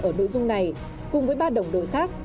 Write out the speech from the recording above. ở nội dung này cùng với ba đồng đội khác